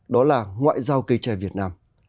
đó là ngoại giao cây tre việt nam